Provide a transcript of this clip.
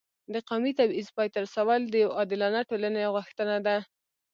د قومي تبعیض پای ته رسول د یو عادلانه ټولنې غوښتنه ده.